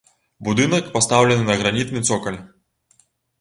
Будынак пастаўлены на гранітны цокаль.